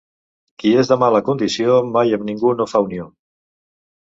Qui és de mala condició mai amb ningú no fa unió.